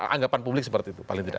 anggapan publik seperti itu